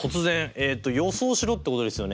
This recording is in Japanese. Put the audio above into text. えっと予想しろってことですよね？